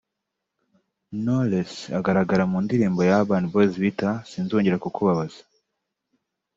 Knowless agaragara mu ndirimbo ya Urban Boys biita “Sinzongera kukubabaza”